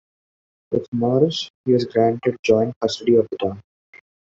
With Maurice, he was granted joint custody of the town.